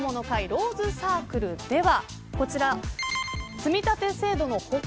ローズサークルです。